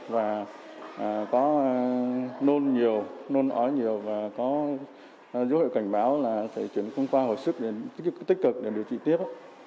và có nôn nhiều nôn ỏi nhiều và có dự hội cảnh báo là phải chuyển qua hợp sức tích cực để điều trị tiếp